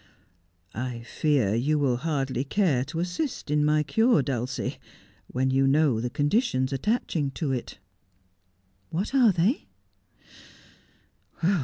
' I fear you will hardly care to assist in my cure, Dulcie, when you know the conditions attaching to it.' 'What are they?'